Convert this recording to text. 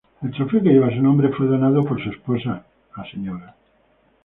El trofeo que lleva su nombre fue donado por su esposa, la Sra.